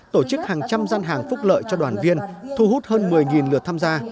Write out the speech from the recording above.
tổ chức hàng trăm gian hàng phúc lợi cho đoàn viên thu hút hơn một mươi lượt tham gia